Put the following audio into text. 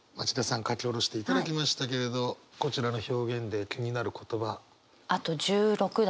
書き下ろしていただきましたけれどこちらの表現で気になる言葉。